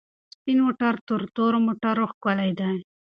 سپین موټر تر تورو موټرو ښکلی دی.